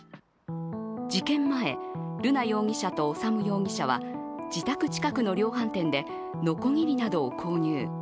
事件前、瑠奈容疑者と修容疑者は自宅近くの量販店でのこぎりなどを購入。